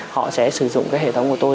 họ sẽ sử dụng cái hệ thống của tôi